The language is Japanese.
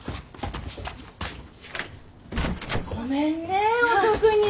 ごめんね遅くに。